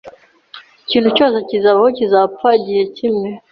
Ikintu cyose kizabaho kizapfa igihe kimwe.